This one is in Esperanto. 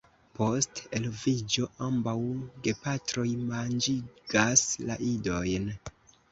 Post eloviĝo ambaŭ gepatroj manĝigas la idojn.